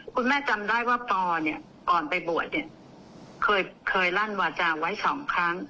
คุณแม่จำได้ว่าปอเนี่ยก่อนไปบวชเนี่ยเคยลั่นวาจาไว้๒ครั้ง